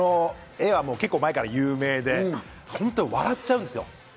絵は結構前から有名で本当笑っちゃうんですよ。